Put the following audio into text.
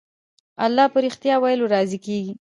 الله په رښتيا ويلو راضي کېږي.